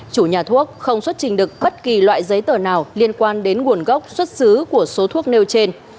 chủ nhà thuốc không xuất trình được bất kỳ loại giấy tờ nào liên quan đến nguồn gốc xuất xứ của số thuốc nêu trên